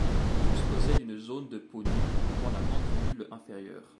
Tous possèdent une zone de peau nue entourant la mandibule inférieure.